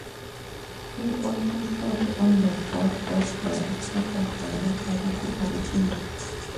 He also served on the board of directors of various other corporations.